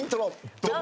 ドン！